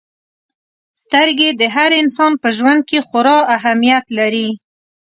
• سترګې د هر انسان په ژوند کې خورا اهمیت لري.